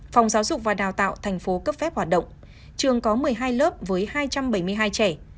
phòng giáo dục và đào tạo thành phố cấp phép hoạt động trường có một mươi hai lớp với hai trăm bảy mươi hai trẻ